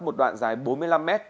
một đoạn dài bốn mươi năm m